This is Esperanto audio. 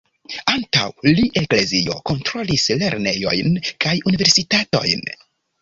Antaŭ li, Eklezio kontrolis lernejojn kaj Universitatojn.